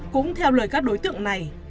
cũng theo lời các đối tượng này